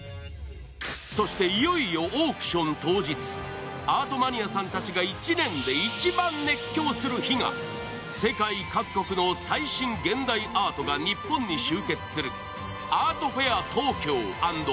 そして、いよいよオークション当日アートマニアさんたちが１年で一番熱狂する日が世界各国の最新現代アートが日本に集結する、アートフェア東京＆ＳＢＩ